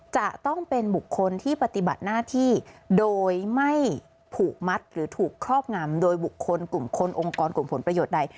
จะต้องเป็นบุคคลที่ปฏิบัติหน้าที่โดยไม่ผูกมัดหรือถูกครอบงำโดยบุคคลกลุ่มคนองค์กรกลุ่มผลประโยชน์ใด